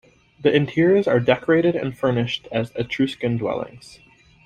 The interiors are decorated and furnished as Etruscan dwellings.